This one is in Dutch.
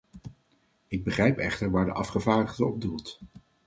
Ik begrijp echter waar de afgevaardigde op doelt.